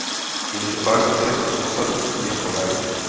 Jenže pak začaly osadu stíhat problémy.